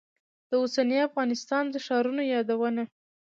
د اوسني افغانستان د ښارونو یادونه.